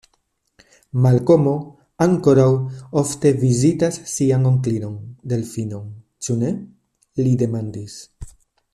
Malkomo ankoraŭ ofte vizitas sian onklinon Delfinon; ĉu ne? li demandis.